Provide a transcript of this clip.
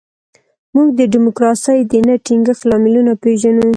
موږ د ډیموکراسۍ د نه ټینګښت لاملونه پېژنو.